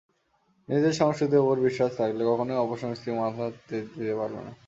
নিজেদের সংস্কৃতির ওপর বিশ্বাস থাকলে কখনোই অপসংস্কৃতি মাথাচাড়া দিতে পারবে না।